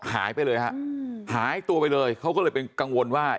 หายไปเลยฮะหายตัวไปเลยเขาก็เลยเป็นกังวลว่า